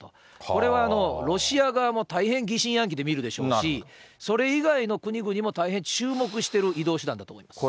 これはロシア側も大変疑心暗鬼で見るでしょうし、それ以外の国々も大変注目してる移動手段だと思います。